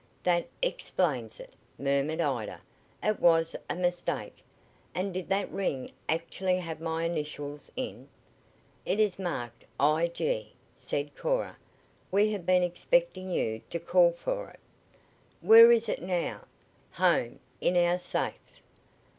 "That explains it," murmured Ida. "It was a mistake! And did that that ring actually have my initials in?" "It is marked `I.G.,'" said Cora. "We have been expecting you to call for it." "Where is it now?" "Home, in our safe."